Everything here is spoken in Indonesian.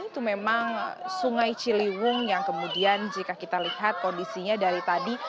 itu memang sungai ciliwung yang kemudian jika kita lihat kondisinya dari tadi